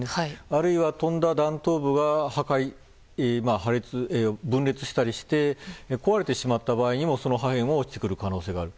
あるいは飛んだ弾頭部は分裂したりして壊れてしまった場合にもその破片が落ちてくる可能性がある。